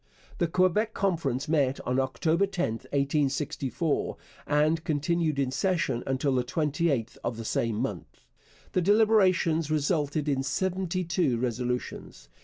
The Quebec Conference met on October 10, 1864, and continued in session until the 28th of the same month. The deliberations resulted in seventy two resolutions.